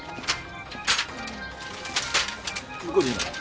向こうでいいのかな？